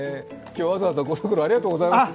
今日はわざわざご足労ありがとうございます。